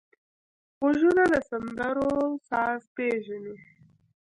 غوږونه د سندرو ساز پېژني